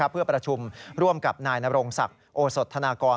เพื่อประชุมร่วมกับนายนรงศักดิ์โอสดธนากร